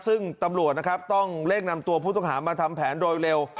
ซึ่งตำรวจนะครับต้องเร่งนำตัวผู้ต้องหามาทำแผนโดยเร็ว